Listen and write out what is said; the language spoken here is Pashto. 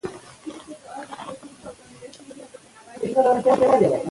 ډیپلوماسي د غیری مستقیمو اړیکو جوړېدو ته لاره هواروي.